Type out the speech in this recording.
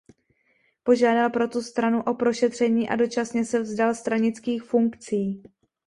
Požádal proto stranu o prošetření a dočasně se vzdal stranických funkcí.